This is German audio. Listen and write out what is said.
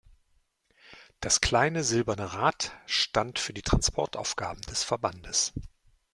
Das kleine silberne Rad stand für die Transportaufgaben des Verbandes.